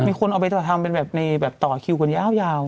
มีคนเอาไปทำเป็นแบบในแบบต่อคิวกันยาว